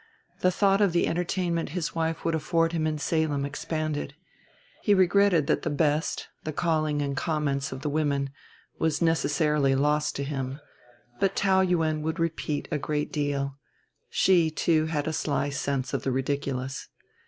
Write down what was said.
The thought of the entertainment his wife would afford him in Salem expanded. He regretted that the best, the calling and comments of the women, was necessarily lost to him, but Taou Yuen would repeat a great deal: she, too, had a sly sense of the ridiculous.